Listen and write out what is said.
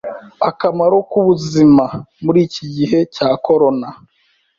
Akamaro ku buzima muriki igihe cya corona